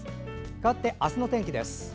かわって、明日の天気です。